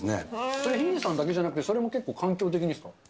それ、ヒデさんだけじゃなくて、それも結構環境的にですか？